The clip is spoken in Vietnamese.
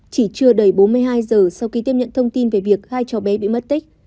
chỉ chưa đầy bốn mươi hai giờ sau khi tiếp nhận thông tin về việc hai cháu bé bị mất tích